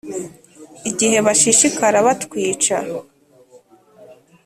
Igihe bashishikara batwica